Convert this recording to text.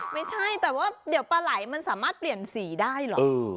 ไม่ใช่แต่ว่าเดี๋ยวปลาไหลมันสามารถเปลี่ยนสีได้เหรอ